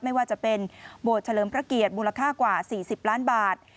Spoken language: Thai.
ไม่ว่าจะเป็นโบสถ์เฉลิมพระเกียรติมูลค่ากว่า๔๐ล้านบาท